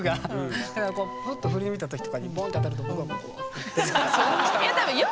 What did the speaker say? だからこうふっと振り向いた時とかにボンって当たると僕はもう。